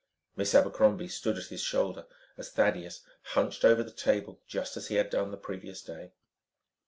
Miss Abercrombie stood at his shoulder as Thaddeus hunched over the table just as he had done the previous day.